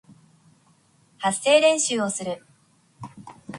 発声練習をする